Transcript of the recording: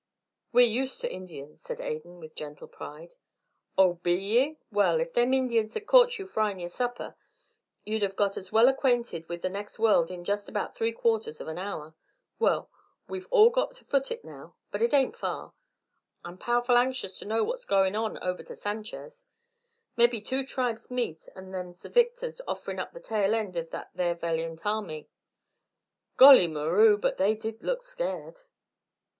"We're used to Indians," said Adan, with gentle pride. "Oh, be ye? Well, if them Indians had caught you fryin' your supper, you'd have got as well acquainted with the next world in just about three quarters of an hour. Well, we've all got to foot it now; but it ain't far. I'm powerful anxious to know what's goin' on over to Sanchez'! Mebbe two tribes met and them's the victors offerin' up the tail end of that there valiant army. Golly Moroo, but they did look scared."